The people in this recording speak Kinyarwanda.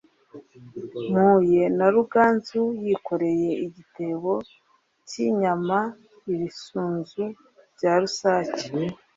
Mpuye na Ruganzu yikoreye igitebo cy'inyama-Ibisunzu bya rusake.